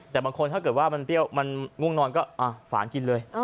แต่บางคนถ้าเกิดว่ามันเปรี้ยวมันง่วงนอนก็ฝานกินเลย